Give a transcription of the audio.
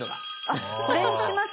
あっこれにします